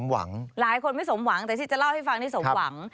หลายคนไม่สมหวังแต่ที่จะเล่าให้ฟังนี่สมหวัง